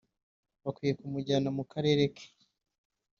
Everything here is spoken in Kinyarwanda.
bakwiye kumujyana mu karere ke